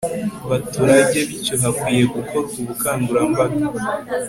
baturage bityo hakwiye gukorwa ubukangurambaga